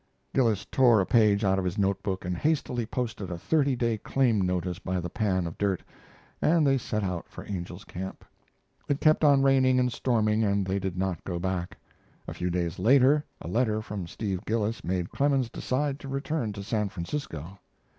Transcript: Gillis tore a page out of his note book, and hastily posted a thirty day claim notice by the pan of dirt, and they set out for Angel's Camp. It kept on raining and storming, and they did not go back. A few days later a letter from Steve Gillis made Clemens decide to return to San Francisco.